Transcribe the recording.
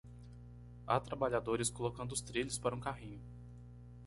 Há trabalhadores colocando os trilhos para um carrinho.